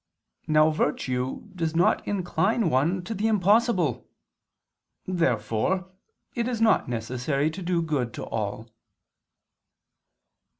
Now virtue does not incline one to the impossible. Therefore it is not necessary to do good to all.